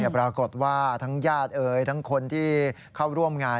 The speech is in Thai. ปรากฏว่าทั้งญาติทั้งคนที่เข้าร่วมงาน